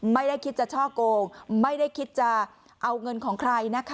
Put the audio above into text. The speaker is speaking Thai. ไม่ได้คิดจะช่อโกงไม่ได้คิดจะเอาเงินของใครนะคะ